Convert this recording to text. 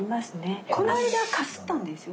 この間かすったんですよ。